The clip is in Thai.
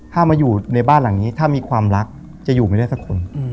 ถ้ามาอยู่ในบ้านหลังนี้ถ้ามีความรักจะอยู่ไม่ได้สักคน